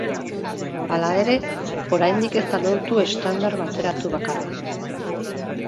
Hala ere, oraindik ez da lortu estandar bateratu bakarra.